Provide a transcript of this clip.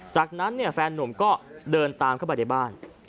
จากนั้นเนี่ยแฟนนุ่มก็เดินตามเข้าไปในบ้าน